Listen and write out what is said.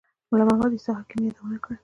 ملا محمد عیسی حکیم یې یادونه کړې.